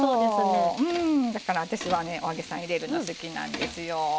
だから私は、お揚げさん入れるの好きなんですよ。